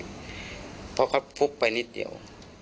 เพราะเขาฟุบไปนิดเดียว